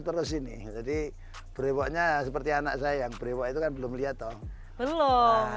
terus ini jadi beri waknya seperti anak saya yang beri waktu kan belum lihat dong belum